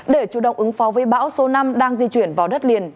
để chủ động ứng phó với bão số năm đang di chuyển vào đất liền